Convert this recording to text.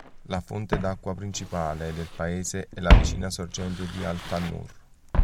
La fonte d'acqua principale del paese è la vicina sorgente di al-Tannur.